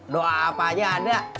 doa apa aja ada